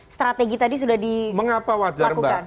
strategi tadi sudah dilakukan mengapa wajar mbak